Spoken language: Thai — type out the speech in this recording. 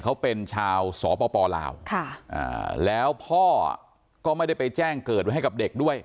เขาเป็นชาวสอปอล์ปอล์ลาวค่ะอ่าแล้วพ่ออ่ะก็ไม่ได้ไปแจ้งเกิดไว้ให้กับเด็กด้วย